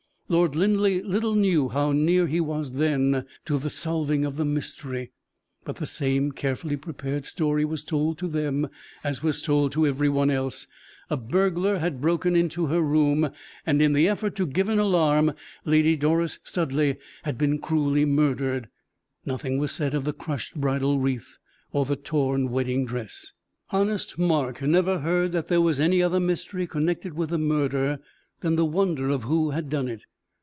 Lord Linleigh little knew how near he was then to the solving of the mystery; but the same carefully prepared story was told to them as was told to every one else a burglar had broken into her room, and, in the effort to give an alarm, Lady Doris Studleigh had been cruelly murdered. Nothing was said of the crushed bridal wreath or the torn wedding dress. Honest Mark never heard that there was any other mystery connected with the murder than the wonder of who had done it.